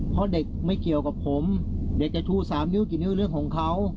เพราะเด็กไม่เกี่ยวกับผมเด็กจะชู๓นิ้วกี่นิ้วเรื่องของเขา